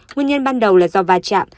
nguyên nhân ban đầu là do bà trạm